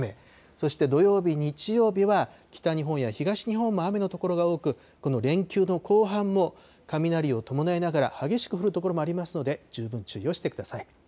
そして土曜日、日曜日は北日本や東日本も雨の所が多く、この連休の後半も、雷を伴いながら激しく降る所もありますので十分注意をしてください。